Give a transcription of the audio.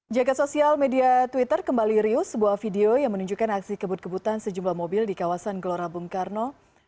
jaga sosial media twitter kembali rius sebuah video yang menunjukkan aksi kebut kebutan sejumlah mobil di kawasan gelora bung karno